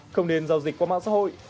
không nên giao dịch qua mạng xã hội